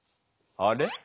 あれ？